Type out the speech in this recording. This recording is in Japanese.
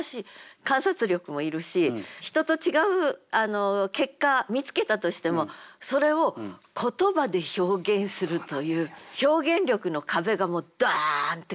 観察力もいるし人と違う結果見つけたとしてもそれを言葉で表現するという表現力の壁がもうダーンッて。